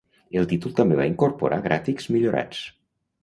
El títol també va incorporar gràfics millorats.